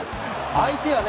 相手はね